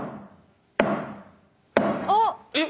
あっ！